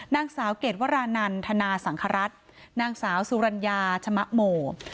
นางสาวเกรดวรานันทนาสังครัฐนางสาวสุรัญญาชะมะโม